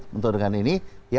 mentor dengan ini